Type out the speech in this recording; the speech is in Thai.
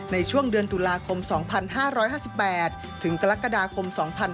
ในช่วงเดือนตุลาคม๒๕๕๘ถึงกรกฎาคม๒๕๕๙